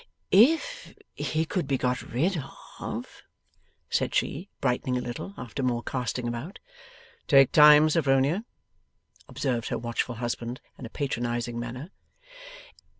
'If he could be got rid of?' said she, brightening a little, after more casting about. 'Take time, Sophronia,' observed her watchful husband, in a patronizing manner.